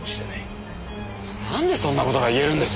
なんでそんな事が言えるんです？